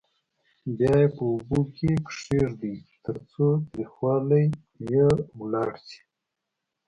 بیا یې په اوبو کې کېږدئ ترڅو تریخوالی یې لاړ شي.